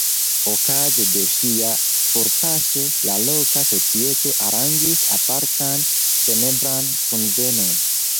Okaze de ŝia forpaso, la loka societo aranĝis apartan funebran kunvenon.